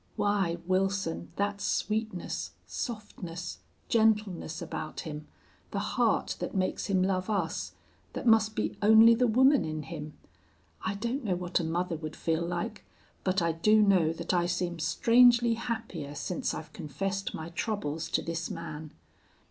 Why, Wilson, that sweetness, softness, gentleness about him, the heart that makes him love us, that must be only the woman in him. I don't know what a mother would feel like, but I do know that I seem strangely happier since I've confessed my troubles to this man.